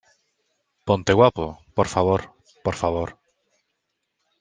ponte guapo, por favor , por favor.